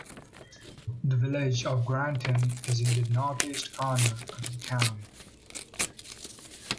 The village of Granton is in the northeast corner of the town.